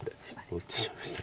戻ってしまいました。